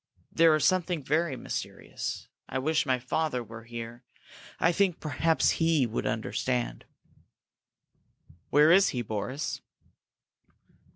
There is something very mysterious. I wish my father were here! I think perhaps he would understand." "Where is he, Boris?"